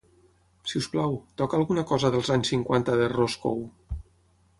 Si us plau, toca alguna cosa dels anys cinquanta de Roscoe